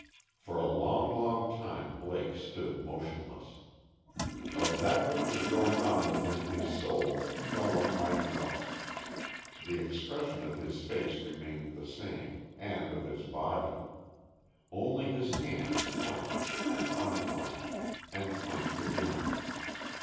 For a long, long time Blake stood motionless. Of that which was going on within his soul, no one might know. The expression of his face remained the same, and of his body. Only his hands clenched, and unclenched, and clenched again.